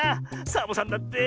サボさんだって！